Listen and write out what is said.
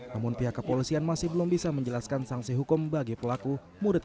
namun pihak kepolisian masih belum bisa menjelaskan sanksi hukum bagi pelaku murid